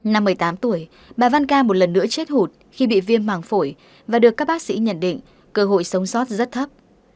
năm một mươi tám tuổi bà văn ca một lần nữa chết hụt khi bị viêm màng phổi và được các bác sĩ nhận định cơ hội sống sót rất thấp